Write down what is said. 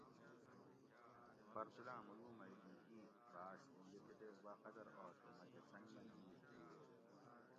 پرتولاں مویو مئی بھی ایں بھاش اوں یہ کتیک باقدر آش اوں مکہ سنگ مئی ایس گھئیت